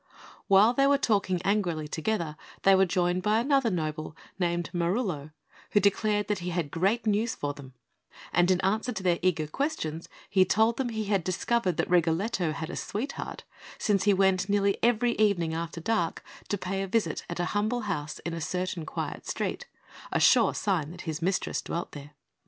Whilst they were talking angrily together, they were joined by another noble, named Marullo, who declared that he had great news for them; and in answer to their eager questions, he told them he had discovered that Rigoletto had a sweetheart, since he went nearly every evening after dark to pay a visit at a humble house in a certain quiet street a sure sign that his mistress dwelt there.